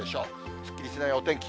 すっきりしないお天気。